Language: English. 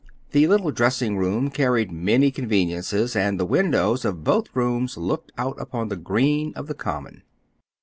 The little dressing room carried many conveniences, and the windows of both rooms looked out upon the green of the common.